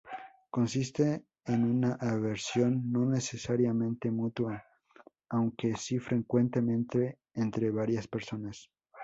Consiste en una aversión, no necesariamente mutua, aunque sí frecuentemente, entre varias personas.